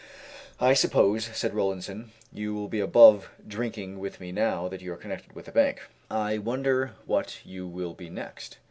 "I suppose," said Rollinson, "you will be above drinking with me now that you are connected with a bank; I wonder what you will be next?"